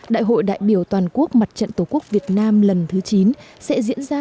đại hội đại biểu toàn quốc mặt trận tổ quốc việt nam lần thứ chín sẽ diễn ra